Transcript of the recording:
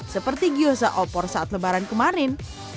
seperti kiosa opor saat lebaran kemarin